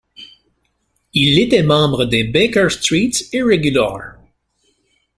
Il était membre des Baker Street Irregulars.